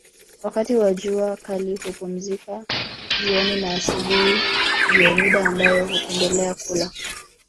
Wakati wa jua kali hupumzika jioni na asubuhi ndio mida ambayo hupendelea kula